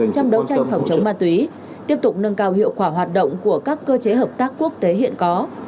trong đấu tranh phòng chống ma túy tiếp tục nâng cao hiệu quả hoạt động của các cơ chế hợp tác quốc tế hiện có